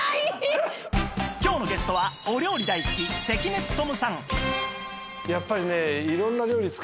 今日のゲストはお料理大好き関根勤さん